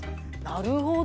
なるほど！